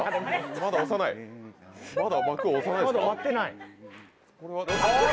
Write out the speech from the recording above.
まだ幕押さないですか？